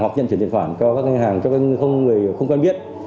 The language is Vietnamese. hoặc nhận chuyển tiền khoản của các ngân hàng cho người không quen biết